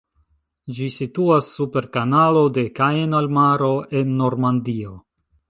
Ĝi situas super Kanalo de Caen al Maro, en Normandio.